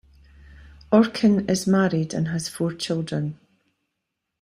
Orkin is married and has four children.